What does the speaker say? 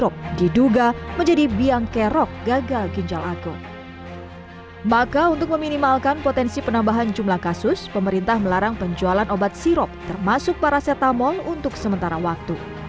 pemerintah melarang penjualan obat sirop termasuk paracetamol untuk sementara waktu